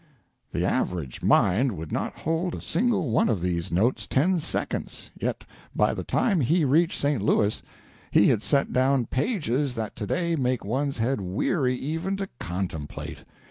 The average mind would not hold a single one of these notes ten seconds, yet by the time he reached St. Louis he had set down pages that to day make one's head weary even to contemplate.